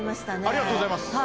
ありがとうございます。